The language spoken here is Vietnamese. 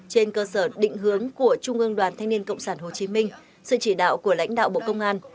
trên cơ sở định hướng của trung ương đoàn thanh niên cộng sản hồ chí minh sự chỉ đạo của lãnh đạo bộ công an